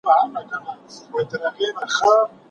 موږ چي ګورې یا خوړل یا الوتل وي